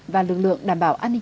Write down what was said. và lực lượng đảm bảo an ninh